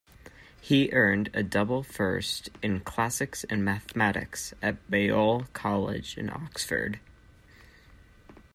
He earned a double first in Classics and mathematics at Balliol College, Oxford.